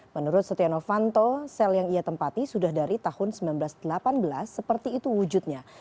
menurut setia novanto sel yang ia tempati sudah dari tahun seribu sembilan ratus delapan belas seperti itu wujudnya